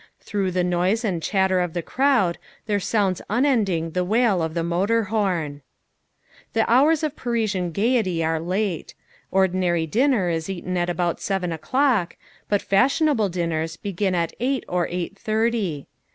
Through the noise and chatter of the crowd there sounds unending the wail of the motor horn. The hours of Parisian gaiety are late. Ordinary dinner is eaten at about seven o'clock, but fashionable dinners begin at eight or eight thirty.